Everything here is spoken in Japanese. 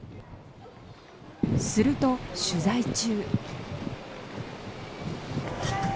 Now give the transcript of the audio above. すると、取材中。